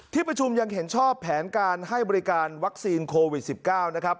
ที่ประชุมยังเห็นชอบแผนการให้บริการวัคซีนโควิด๑๙นะครับ